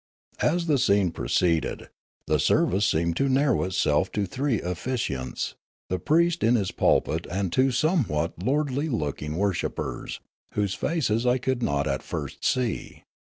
As the scene proceeded, the service seemed to narrow itself to three officiants, the priest in his Fool gar 227 pulpit and two somewhat lordly looking worshippers, whose faces I could not at first see.